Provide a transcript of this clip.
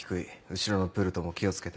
後ろのプルトも気を付けて。